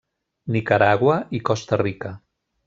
Nicaragua i Costa Rica.